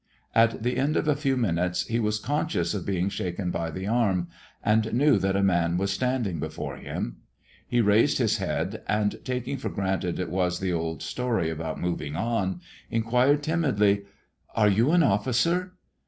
At the end of a few minutes he was conscious of being shaken by the arm, and knew that a man was standing before him. He raised his head, and taking for granted it was the old story about moving on, inquired timidly, "Are you an officer?"